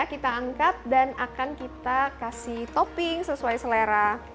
kita angkat dan akan kita kasih topping sesuai selera